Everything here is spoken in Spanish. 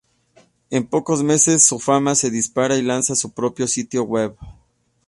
En pocos meses su fama se dispara y lanza su propio sitio web.